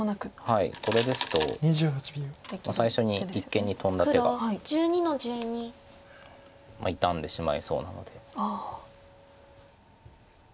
はいこれですと最初に一間にトンだ手が傷んでしまいそうなので。